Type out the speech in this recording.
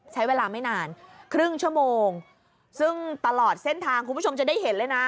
ใช้เวลาไม่นานครึ่งชั่วโมงซึ่งตลอดเส้นทางคุณผู้ชมจะได้เห็นเลยนะ